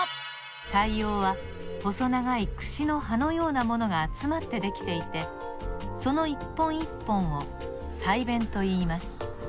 鰓葉は細長いくしの歯のようなものがあつまってできていてこの一本一本を鰓弁といいます。